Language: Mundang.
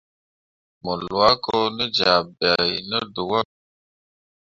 Mo lwa ko te ja bai ne dəwor.